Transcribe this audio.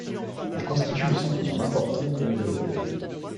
Il constitue le centre d'un important nœud ferroviaire.